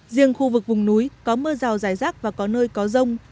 riêng khu vực vùng núi có mưa rào dài rác và có nơi có rông